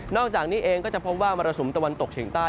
อกจากนี้เองก็จะพบว่ามรสุมตะวันตกเฉียงใต้